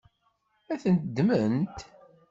Ad ten-ddment?